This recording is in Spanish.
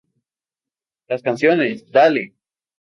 Las canciones "Dale!